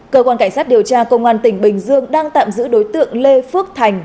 cơ quan cảnh sát điều tra công an tỉnh bình dương đang tạm giữ đối tượng lê phước thành